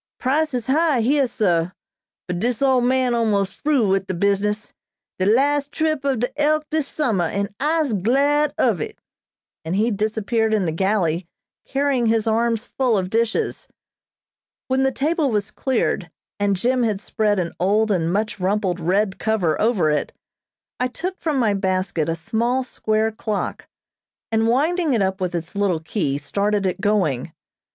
"Prices high heah, sah, but dis old man almos' fru wid de business; de las' trip ob de 'Elk' dis summah, an' I'se glad of it," and he disappeared in the galley carrying his arms full of dishes. When the table was cleared and Jim had spread an old and much rumpled red cover over it, I took from my basket a small square clock, and winding it up with its little key, started it going.